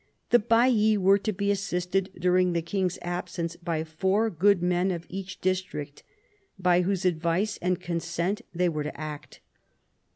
The baillis were to be assisted during the king's absence by four good men of each district, by whose advice and consent they were to act.